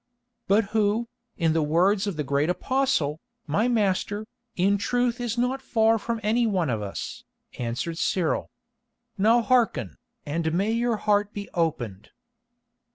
"But who, in the words of the great apostle, my master, in truth is not far from any one of us," answered Cyril. "Now hearken, and may your heart be opened."